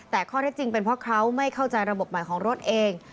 แต่ข้อเท็จจริงเป็นเพราะเขาไม่เข้าใจระบบใหม่ของรถเอง